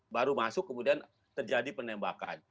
baru masuk kemudian terjadi penembakan